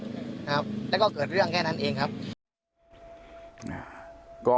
ครับแล้วก็เกิดเรื่องแค่นั้นเองครับ